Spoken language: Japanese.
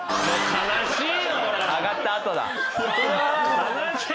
悲しい！